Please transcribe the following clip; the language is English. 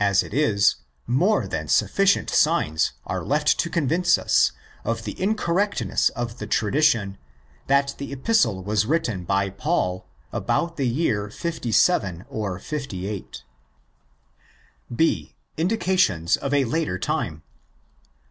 As it is, more than sufficient signs are left to convince us of the incorrectness of the tradi tion that the Epistle was written by Paul about the year 57 or 58. B.—Indications of a Later Time.